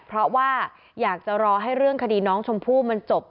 เพราะว่าอยากจะรอให้เรื่องคดีน้องชมพู่มันจบ